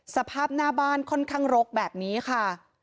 สภาพหน้าบ้านค่อนข้างรกแบบนี้ค่ะ